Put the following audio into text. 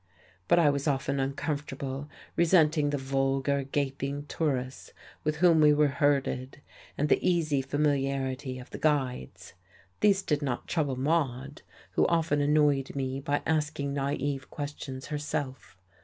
But I was often uncomfortable, resenting the vulgar, gaping tourists with whom we were herded and the easy familiarity of the guides. These did not trouble Maude, who often annoyed me by asking naive questions herself.